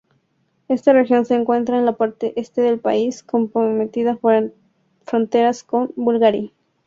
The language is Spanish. Esta región se encuentra en la parte este del país, compartiendo fronteras con Bulgaria.